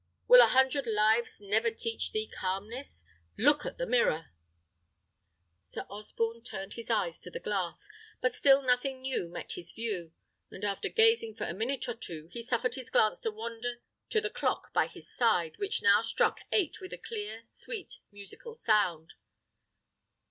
"Will a hundred lives never teach thee calmness? Look to the mirror!" Sir Osborne turned his eyes to the glass, but still nothing new met his view; and after gazing for a minute or two, he suffered his glance to wander to the clock by his side, which now struck eight with a clear, sweet, musical sound.